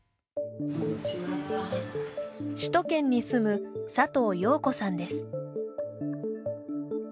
首都圏に住む佐藤陽子さんです。